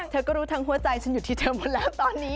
เธอก็รู้ทั้งหัวใจฉันอยู่ที่เธอหมดแล้วตอนนี้